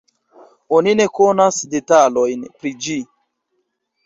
Oni ne konas detalojn pri ĝi.